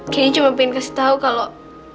candy cuma pengen kasih tau kalau